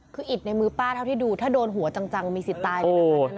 คืออิดในมือป้าเท่าที่ดูถ้าโดนหัวจังมีสิทธิ์ตายเลยนะคะ